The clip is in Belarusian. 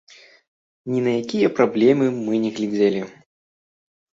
Ні на якія праблемы мы не глядзелі.